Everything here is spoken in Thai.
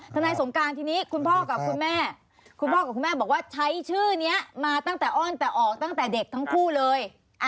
ทนายสงการที่นี้คุณพ่อกับคุณแม่บอกว่าใช้ชื่อนี้มาตั้งแต่อ้อนแต่ออกตั้งแต่เด็กทั้งคู่เลย